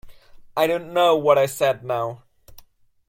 I don't know what I said now.